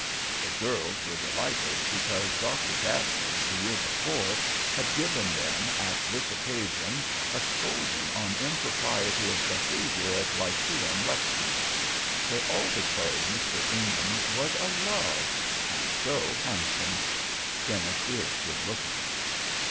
The girls were delighted, because Dr. Dabney, the year before, had given them at this occasion a scolding on impropriety of behavior at lyceum lectures. They all declared Mr. Ingham was a love—and so handsome! (Dennis is good looking.)